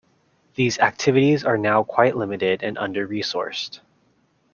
These activities are now quite limited and under-resourced.